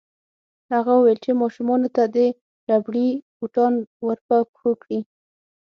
هغه وویل چې ماشومانو ته دې ربړي بوټان ورپه پښو کړي